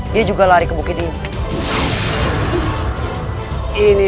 dia juga lari ke bukit ini